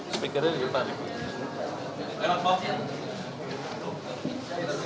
speakernya di depan